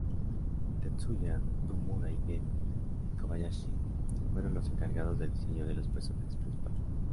Tetsuya Nomura y Gen Kobayashi fueron los encargados del diseño de los personajes principales.